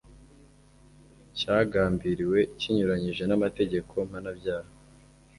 cyagambiriwe kinyuranyije n'amategeko mpanabyaha